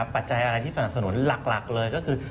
ปัจจัยอะไรที่สนับสนุนหลักเลยก็คือ